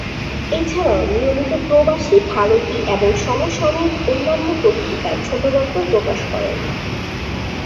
এছাড়াও নিয়মিত প্রবাসী, ভারতী এবং সমসাময়িক অন্যান্য পত্রিকায় ছোটগল্প প্রকাশ করেন।